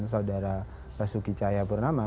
saudara rasuki cahaya purnama